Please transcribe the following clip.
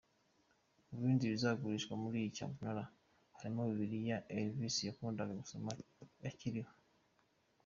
Mu bindi bizagurishwa muri iyi cyamunara harimo bibiliya Elvis yakundaga gusoma akiriho.